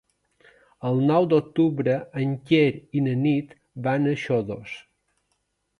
El nou d'octubre en Quer i na Nit van a Xodos.